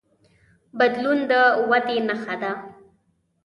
بدلون د ودې نښه ده.